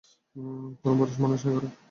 কোনো পুরুষ মানুষ নেই ঘরে।